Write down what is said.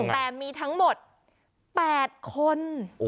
แต่มีทั้งหมด๘คน